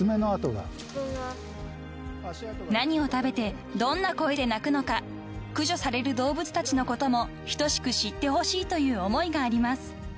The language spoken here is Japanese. ［何を食べてどんな声で鳴くのか駆除される動物たちのことも等しく知ってほしいという思いがあります］